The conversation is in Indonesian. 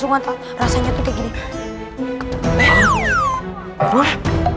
nampak rasanya tuh gini eh terus